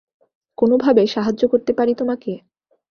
কোনোভাবে সাহায্য করতে পারি তোমাকে?